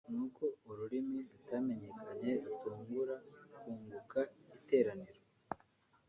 nuko ururimi rutamenyekana rutungura (kunguka) iteraniro